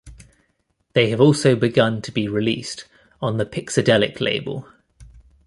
They have also begun to be released on the Pixadelic label.